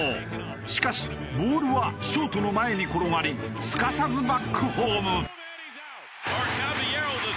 しかしボールはショートの前に転がりすかさずバックホーム。